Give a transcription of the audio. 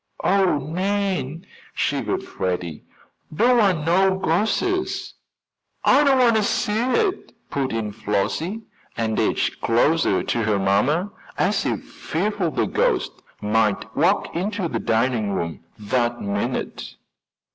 "Oh, Nan!" shivered Freddie. "Don't want no ghostses!" "I don't want to see it," put in Flossie, and edged closer to her mamma as if fearful the ghost might walk into the dining room that minute.